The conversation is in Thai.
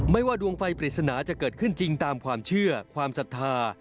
ว่าดวงไฟปริศนาจะเกิดขึ้นจริงตามความเชื่อความศรัทธา